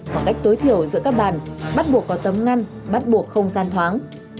khoảng cách tối thiểu giữa các bàn bắt buộc có tấm ngăn bắt buộc không gian thoáng